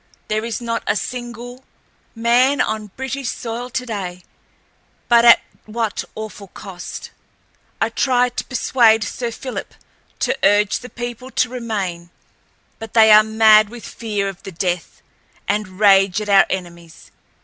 There is not a single ... man on British soil today; but at what awful cost. I tried to persuade Sir Phillip to urge the people to remain. But they are mad with fear of the Death, and rage at our enemies.